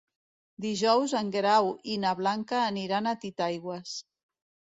Dijous en Guerau i na Blanca aniran a Titaigües.